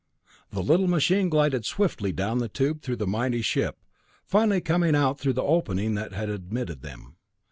The little machine glided swiftly down the tube through the mighty ship, finally coming out through the opening that had admitted them.